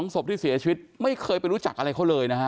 ศพที่เสียชีวิตไม่เคยไปรู้จักอะไรเขาเลยนะฮะ